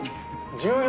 １４。